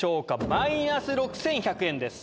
マイナス６１００円です。